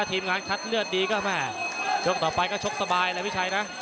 ทีมงานคัดเลือดดีก็แม่ช่วงต่อไปก็ชกสบายเลยพี่ชัยนะ